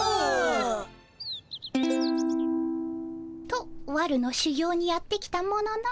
とわるの修業にやって来たものの。